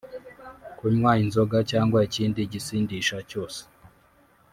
Kunywa inzoga cyangwa ikindi gisindisha cyose